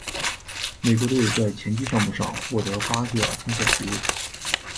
美国队在拳击项目上获得八个参赛席位。